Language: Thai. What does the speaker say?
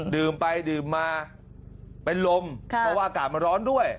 ดื่มไปดื่มมาเป็นลมเพราะว่าอากาศมันร้อนด้วย